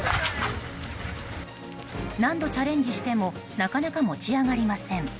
何度チャレンジしてもなかなか持ち上がりません。